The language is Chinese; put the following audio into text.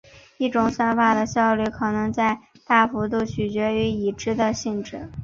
一种算法的效率可能大幅度取决于已知点的性质。